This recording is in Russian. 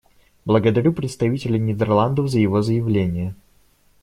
Благодарю представителя Нидерландов за его заявление.